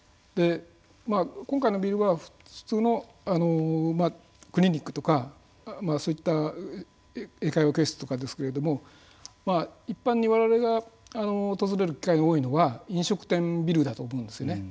今回のビルは普通のクリニックとかそういった英会話教室とかですけれども一般にわれわれが訪れる機会が多いのは飲食店ビルだと思うんですよね。